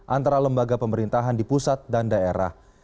antara lembaga pemerintahan di pusat dan daerah